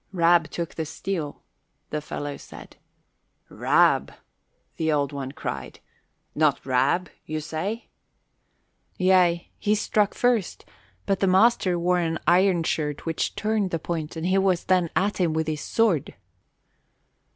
"Rab took the steel," the fellow said. "Rab!" the Old One cried. "Not Rab, you say?" "Yea, he struck first but the master wore an iron shirt which turned the point and he was then at him with his sword."